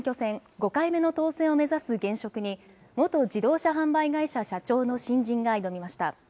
５回目の当選を目指す現職に、元自動車販売会社社長の新人が挑みました。